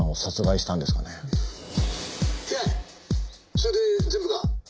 それで全部か？」